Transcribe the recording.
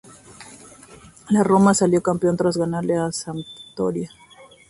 La Roma salió campeón tras ganarle a la Sampdoria.